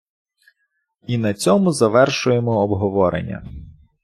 і на цьому завершуємо обговорення.